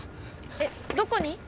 えっどこに？